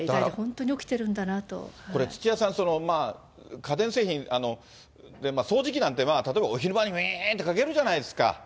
これ、土屋さん、家電製品、掃除機なんてお昼間にうぃーんってかけるじゃないですか。